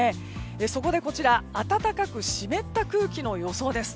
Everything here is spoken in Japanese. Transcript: そこで、こちら暖かく湿った空気の予想です。